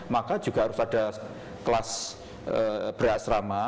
maka juga harus ada kelas berasrama